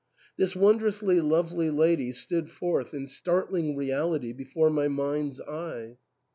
This wondrously lovely lady stood forth in startling reality before my mind's eye.